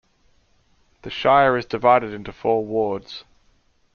The shire is divided into four wards.